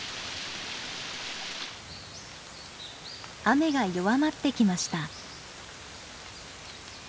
雨が弱まってきました。